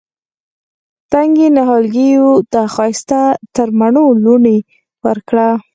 تنکي نهالګیو ته ښایسته ترمڼو لوڼې ورکړه